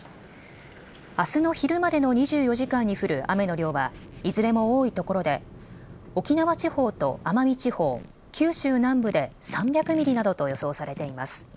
あすの昼までの２４時間に降る雨の量はいずれも多いところで沖縄地方と奄美地方、九州南部で３００ミリなどと予想されています。